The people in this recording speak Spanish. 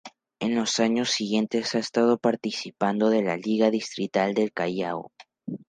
En los años siguientes ha estado participando de la Liga Distrital del Callao.